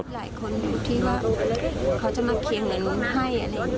ก็มีหลายคนที่ว่าเขาจะมาเคียงเงินให้